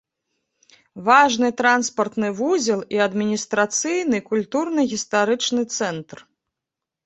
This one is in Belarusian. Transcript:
Важны транспартны вузел і адміністрацыйны, культурна-гістарычны цэнтр.